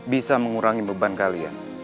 bisa mengurangi beban kalian